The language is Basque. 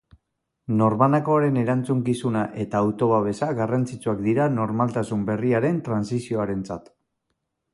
Norbanakoaren erantzukizuna eta auto-babesa garrantzitsuak dira normaltasun berriaren trantsizioarentzat.